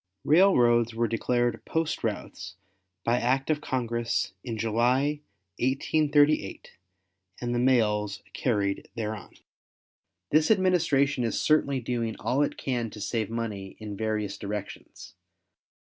Railroads were declared post routes by act of Congress in July, 1838, and the mails carried thereon. This administration is certainly doing all it can to save money in various directions.